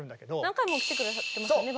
何回も来て下さってますよね